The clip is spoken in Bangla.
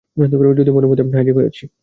যদিও মলের মধ্যে হাইজ্যাক হয়ে আছি।